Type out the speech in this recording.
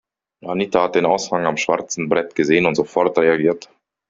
Anita hat den Aushang am schwarzen Brett gesehen und sofort reagiert.